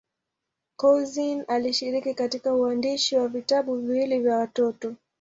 Couzyn alishiriki katika uandishi wa vitabu viwili vya watoto.